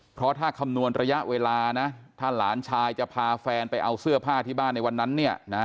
เพราะถ้าคำนวณระยะเวลานะถ้าหลานชายจะพาแฟนไปเอาเสื้อผ้าที่บ้านในวันนั้นเนี่ยนะ